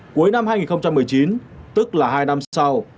cuối năm hai nghìn một mươi chín tức là hai năm sau